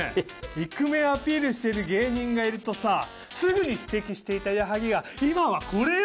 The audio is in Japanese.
イクメンアピールしてる芸人がいるとさぁすぐに指摘していた矢作が今はこれよ！